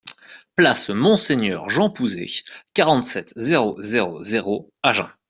Place Monseigneur Jean Pouzet, quarante-sept, zéro zéro zéro Agen